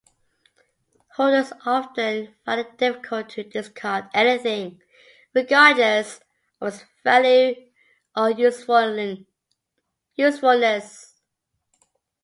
Hoarders often find it difficult to discard anything, regardless of its value or usefulness.